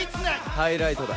ハイライトだ。